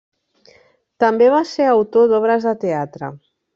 També va ser autor d'obres de teatre.